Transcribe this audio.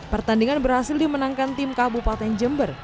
pertandingan berhasil dimenangkan tim kabupaten jember